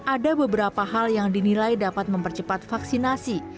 ada beberapa hal yang dinilai dapat mempercepat vaksinasi